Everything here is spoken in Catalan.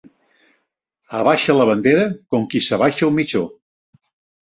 Abaixa la bandera com qui s'abaixa un mitjó.